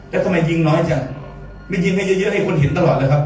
แล้วทำไมยิงน้อยจังไม่ยิงให้เยอะเยอะนี่คนเห็นตลอดนะครับ